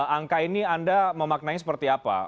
angka ini anda memaknanya seperti apa